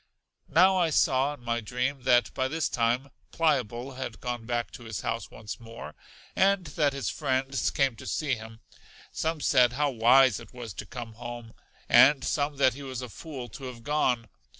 Now I saw in my dream that by this time Pliable had gone back to his house once more, and that his friends came to see him: some said how wise it was to come home, and some that he was a fool to have gone.